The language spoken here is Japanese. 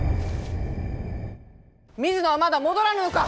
水野はまだ戻らぬのか！